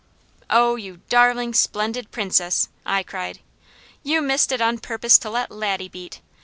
"Oh you darling, splendid Princess!" I cried. "You missed it on purpose to let Laddie beat!